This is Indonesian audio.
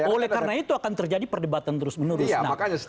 oleh karena itu akan terjadi perdebatan terus menerus